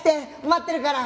待ってるから。